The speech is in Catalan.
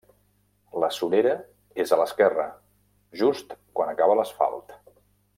La surera és a l'esquerra, just quan acaba l'asfalt.